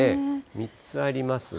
３つありますが。